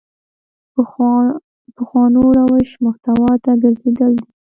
پخوانو روش محتوا ته ګرځېدل دي.